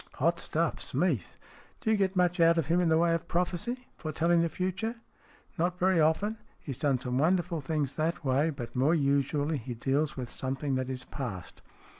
" Hot stuff, Smeath. Do you get much out of him in the way of prophecy? Foretelling the future ?"" Not very often. He has done some wonderful things that way, but more usually he deals with something that is past."